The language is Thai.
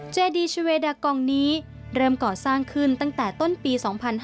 เจดีชเวดากองนี้เริ่มก่อสร้างขึ้นตั้งแต่ต้นปี๒๕๕๙